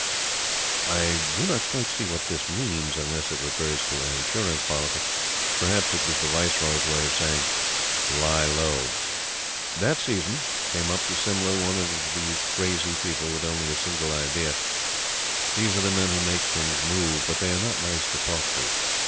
I do not quite see what this means, unless it refers to an Insurance Policy. Perhaps it was the Viceroy's way of saying: "Lie low." That season, came up to Simla one of these crazy people with only a single idea. These are the men who make things move; but they are not nice to talk to.